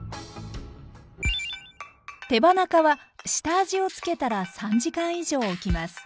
手羽中は下味をつけたら３時間以上おきます。